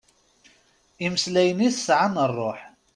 Imeslayen-is sɛan rruḥ.